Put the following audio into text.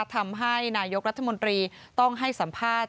ทำให้นายกรัฐมนตรีต้องให้สัมภาษณ์